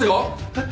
えっ